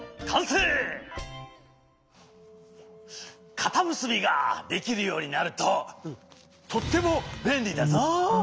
かたむすびができるようになるととってもべんりだぞ。